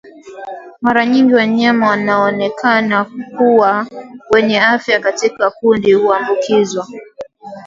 Mara nyingi wanyama wanaoonekana kuwa wenye afya katika kundi huambukizwa